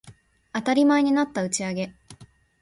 当たり前になった打ち上げ